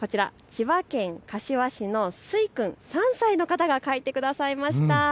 千葉県柏市のすい君、３歳の方が描いてくださいました。